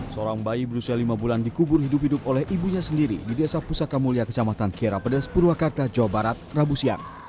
seorang bayi berusia lima bulan dikubur hidup hidup oleh ibunya sendiri di desa pusaka mulia kecamatan kira pedes purwakarta jawa barat rabu siang